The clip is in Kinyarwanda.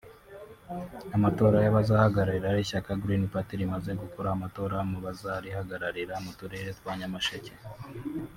Amatora y’ abazahagarira ishyaka Green Party rimaze gukora amatora ku bazarihagararira mu turere twa Nyamasheke